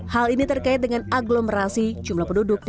hal ini terkait dengan agglomerasi jumlah penduduk